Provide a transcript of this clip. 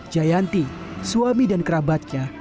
jayanti suami dan kerabatnya